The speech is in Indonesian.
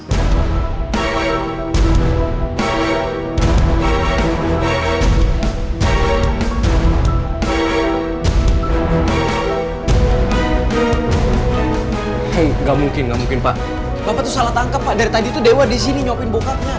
hai nggak mungkin nggak mungkin pak bapak salah tangkap pak dari tadi tuh dewa di sini nyopin bokapnya